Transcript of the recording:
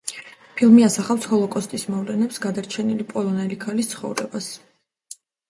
ფილმი ასახავს ჰოლოკოსტის მოვლენებს გადარჩენილი პოლონელი ქალის ცხოვრებას.